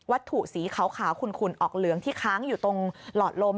ถูกสีขาวขุนออกเหลืองที่ค้างอยู่ตรงหลอดลม